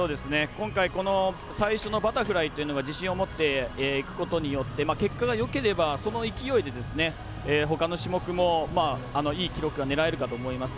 今回最初のバタフライというのは自信を持っていくことによって結果がよければその勢いで、ほかの種目もいい記録が狙えるかと思います。